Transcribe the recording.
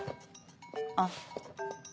あっ。